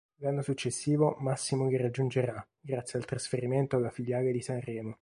L'anno successivo Massimo li raggiungerà, grazie al trasferimento alla filiale di Sanremo.